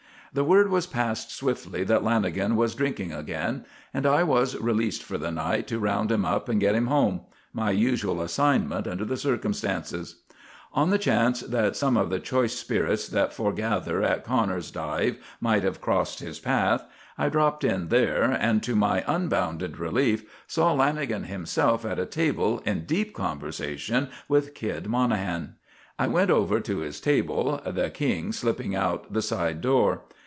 The word was passed swiftly that Lanagan was drinking again, and I was released for the night to round him up and get him home my usual assignment under the circumstances. On the chance that some of the choice spirits that foregather at Connors' dive might have crossed his path, I dropped in there, and, to my unbounded relief, saw Lanagan himself at a table in deep conversation with "Kid" Monahan. I went over to his table, the "King" slipping out the side door.